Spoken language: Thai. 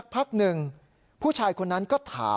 ค้าเป็นผู้ชายชาวเมียนมา